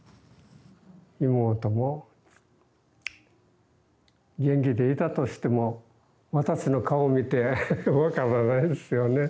妹も元気でいたとしても私の顔見てわからないですよね。